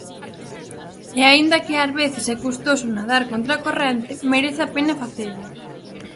E aínda que ás veces é custoso nadar contracorrente, merece a pena facelo.